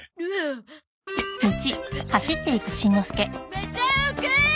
マサオくーん！